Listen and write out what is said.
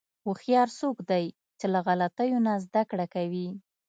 هوښیار څوک دی چې له غلطیو نه زدهکړه کوي.